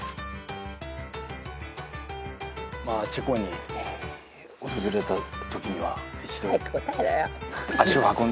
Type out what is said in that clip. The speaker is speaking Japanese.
まあチェコに訪れたときには一度足を運んで。